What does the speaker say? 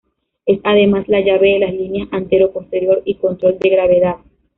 Es, además, la llave de las líneas antero-posterior y control de gravedad.